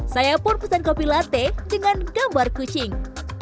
saya pun pesan kopi latte dengan gambar kucing